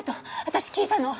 私聞いたの。